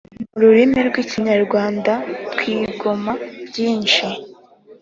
mu rurimi rw ‘ikinyarwanda twigamo byishi.